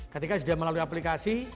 ketika sudah melalui aplikasi